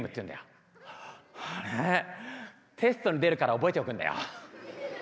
あれテストに出るから覚えておくんだよ。